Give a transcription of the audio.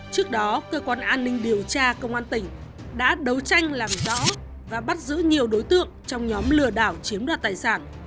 trước đó cơ quan an ninh điều tra công an tỉnh đã đấu tranh làm rõ và bắt giữ nhiều đối tượng trong nhóm lừa đảo chiếm đoạt tài sản